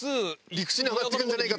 陸地に上がってくんじゃねえか。